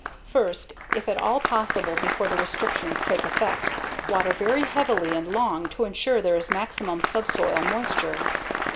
First, if at all possible before the restrictions take effect, water very heavily and long to ensure there is maximum subsoil moisture.